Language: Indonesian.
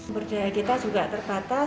berdaya kita juga terbatas